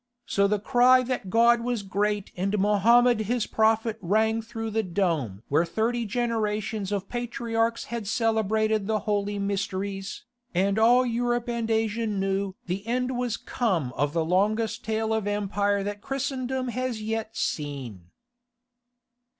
So the cry that God was great and Mohammed his prophet rang through the dome where thirty generations of patriarchs had celebrated the Holy Mysteries, and all Europe and Asia knew the end was come of the longest tale of Empire that Christendom has yet seen.